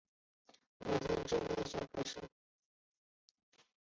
五迁至内阁学士。